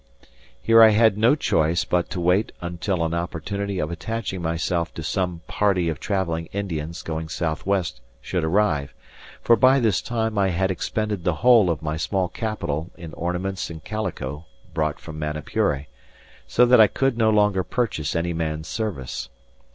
Here I had no choice but to wait until an opportunity of attaching myself to some party of travelling Indians going south west should arrive; for by this time I had expended the whole of my small capital in ornaments and calico brought from Manapuri, so that I could no longer purchase any man's service.